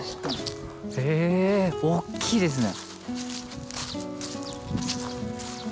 へえ大きいですね！